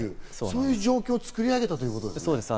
そういう状況を作り上げたってことですね。